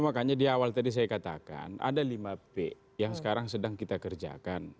makanya di awal tadi saya katakan ada lima p yang sekarang sedang kita kerjakan